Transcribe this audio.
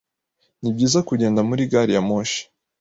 Nibyiza kugenda muri gari ya moshi.